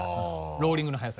ローリングの速さ。